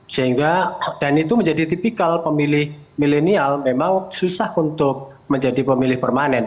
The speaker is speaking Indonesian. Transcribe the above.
sehingga dan itu menjadi tipikal pemilih milenial memang susah untuk menjadi pemilih permanen